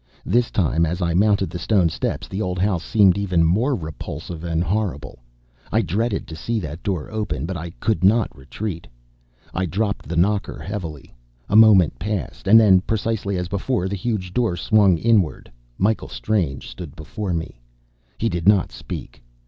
This time, as I mounted the stone steps, the old house seemed even more repulsive and horrible. I dreaded to see that door open, but I could not retreat. I dropped the knocker heavily. A moment passed: and then, precisely as before, the huge door swung inward. Michael Strange stood before me. He did not speak.